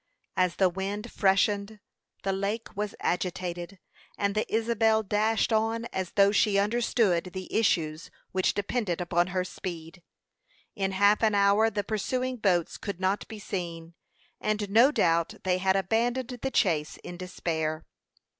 As the wind freshened, the lake was agitated, and the Isabel dashed on as though she understood the issues which depended upon her speed. In half an hour the pursuing boats could not be seen; and no doubt they had abandoned the chase in despair.